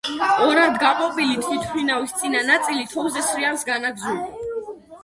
ორად გაპობილი თვითმფრინავის წინა ნაწილი თოვლზე სრიალს განაგრძობდა.